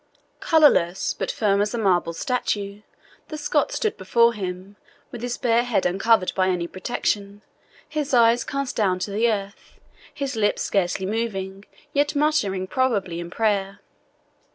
Colourless, but firm as a marble statue, the Scot stood before him, with his bare head uncovered by any protection, his eyes cast down to the earth, his lips scarcely moving, yet muttering probably in prayer.